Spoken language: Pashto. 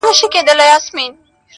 غـــــــزله يؤ څو کرښې پۀ شېشه راتېرٶم